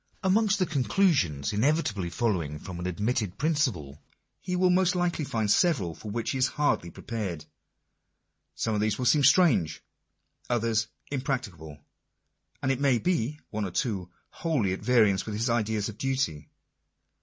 Amongst the conclusions inevitably following from an admitted principle, he will most likely find several for which he is hardly prepared. Some of these will seem strange ; others impracticable ; and, it may be — one or two wholly at variance with his ideas of duty.